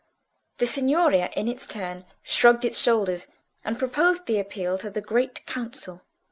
The Signoria in its turn shrugged its shoulders, and proposed the appeal to the Great Council.